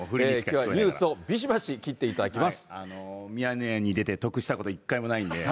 きょうはニュースをびしばし斬っていただきます。